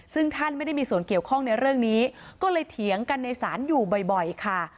ซึ่งท่านไม่ได้มีส่วนเกี่ยวข้องในเรื่องนี้ก็เลยเถียงกันในศาลอยู่บ่อยค่ะ